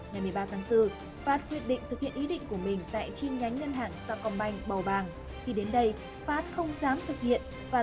ngày một mươi ba tháng bốn phát khai nhận vai ngân hàng hơn hai mươi triệu đồng nhưng không có khả năng chi trả